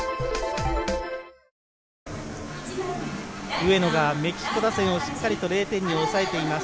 上野がメキシコ打線をしっかりと０点に抑えています。